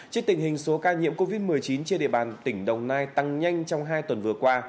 trước tình hình số ca nhiễm covid một mươi chín trên địa bàn tỉnh đồng nai tăng nhanh trong hai tuần vừa qua